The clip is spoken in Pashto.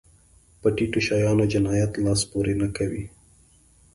په ټيټو شیانو جنایت لاس پورې نه کوي.